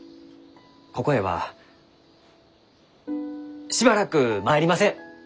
ここへはしばらく参りません！